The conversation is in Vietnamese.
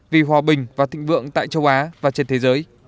vì hòa bình và thịnh vượng tại châu á và trên thế giới